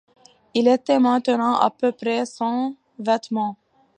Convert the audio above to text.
Il était maintenant à peu près sans vêtements.